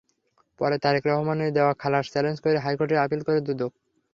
পরে তারেক রহমানকে দেওয়া খালাস চ্যালেঞ্জ করে হাইকোর্টে আপিল করে দুদক।